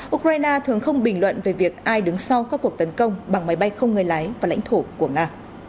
ukraine thường không bình luận về việc ai đứng sau các cuộc tấn công bằng máy bay không người lái vào lãnh thổ của nga